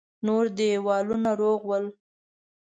نور دېوالونه روغ ول.